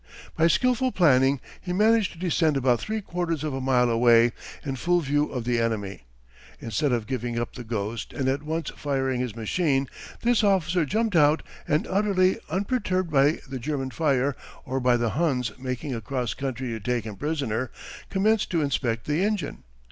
By skillful planing he managed to descend about three quarters of a mile away, in full view of the enemy. Instead of giving up the ghost and at once firing his machine, this officer jumped out and, utterly unperturbed by the German fire or by the Huns making across country to take him prisoner, commenced to inspect the engine.